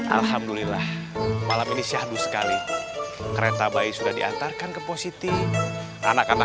alhamdulillah malam ini syahdu sekali kereta bayi sudah diantarkan ke positif anak anak